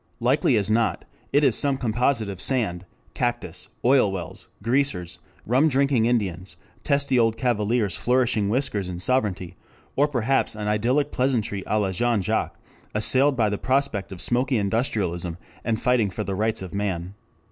Likely as not, it is some composite of sand, cactus, oil wells, greasers, rum drinking Indians, testy old cavaliers flourishing whiskers and sovereignty, or perhaps an idyllic peasantry à la Jean Jacques, assailed by the prospect of smoky industrialism, and fighting for the Rights of Man.